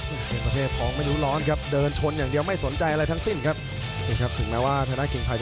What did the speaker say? อื้อปุ๋ยโฟร์เที่ยงนะครับคุณภาพ